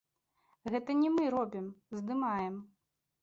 Гэта не мы робім, здымаем.